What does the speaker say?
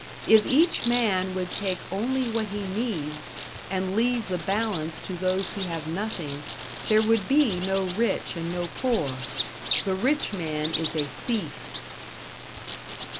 If each man would take only what he needs, and leave the balance to those who have nothing, there would be no rich and no poor. The rich man is a thief.